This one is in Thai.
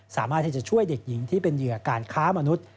สามารถที่จะช่วยเด็กหญิงที่เป็นเหยื่อการค้ามนุษย์